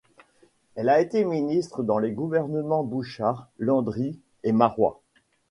Elle a été ministre dans les gouvernements Bouchard, Landry et Marois.